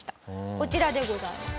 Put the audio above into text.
こちらでございます。